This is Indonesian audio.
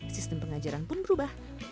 sistem pengajaran pun berubah